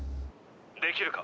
できるか？